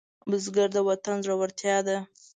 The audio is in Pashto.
بزګر د وطن زړورتیا ده